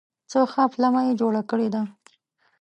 څه ښه پلمه یې جوړه کړې ده !